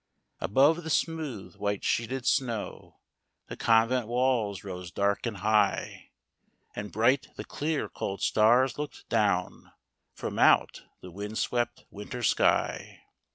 Above the smooth white sheeted snow The convent walls rose dark and high, 230 And bright the clear, cold stars look'd down From out the wind swept winter sky.